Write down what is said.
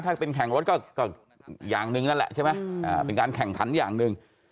ถ้าเป็นแข่งรถก็อย่างหนึ่งนั่นแหละใช่ไหมเป็นการแข่งขันอย่างหนึ่ง